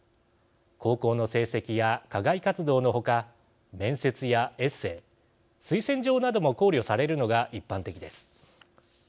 高校の成績や課外活動の他面接やエッセー推薦状なども考慮されるのが一般的です。